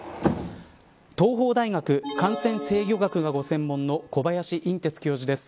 東邦大学感染制御学がご専門の小林寅てつ教授です。